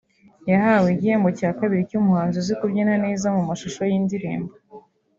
yahawe igihembo cya kabiri cy’umuhanzi uzi kubyina neza mu mashusho y’indirimbo